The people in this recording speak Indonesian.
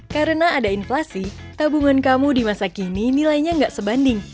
karena ada inflasi tabungan kamu di masa kini nilainya gak sebanding